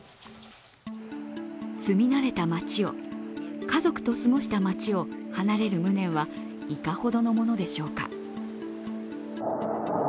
住み慣れた町を、家族と過ごした町を離れる無念はいかほどのものでしょうか。